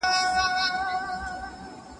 شاه محمود د خیانت کوونکو کسان اعدام کړل.